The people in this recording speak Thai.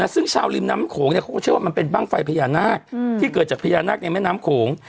ซึ่งชาวริมน้ำโขงเขาก็เชื่อว่ามันเป็นบ้างไฟพญานาคที่เกิดจากพญานาคในแม่น้ำโขง